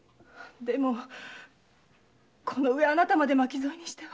でもこの上あなたまで巻き添えにしては。